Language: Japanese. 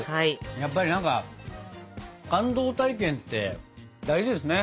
やっぱり何か感動体験って大事ですね。